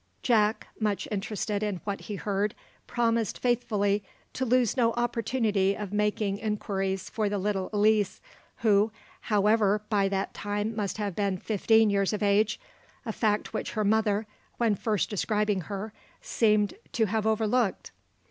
Jack, much interested in what he heard, promised faithfully to lose no opportunity of making inquiries for the little Elise, who, however, by that time must have been fifteen years of age a fact which her mother, when first describing her, seemed to have overlooked.